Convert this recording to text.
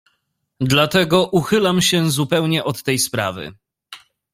"Dlatego uchylam się zupełnie od tej sprawy."